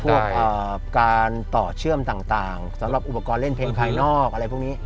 พวกการต่อเชื่อมต่างสำหรับอุปกรณ์เล่นเพลงภายนอกอะไรพวกนี้